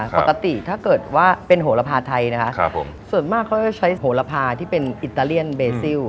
ปกติถ้าเกิดว่าเป็นโหระพาไทยนะคะส่วนมากเขาจะใช้โหระพาที่เป็นอิตาเลียนเบซิล